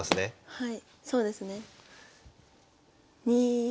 はい。